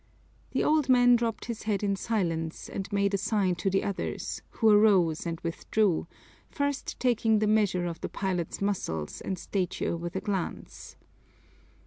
The old man dropped his head in silence and made a sign to the others, who arose and withdrew, first taking the measure of the pilot's muscles and stature with a glance.